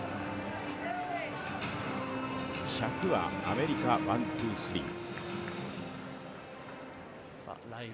１００はアメリカ、ワン・ツー・スリー。